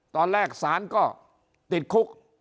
ตอนแรกศาลก็ติดคุก